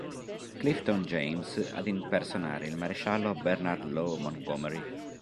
Clifton James ad impersonare il maresciallo Bernard Law Montgomery.